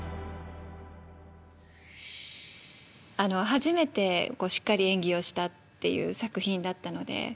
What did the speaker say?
初めてしっかり演技をしたっていう作品だったので。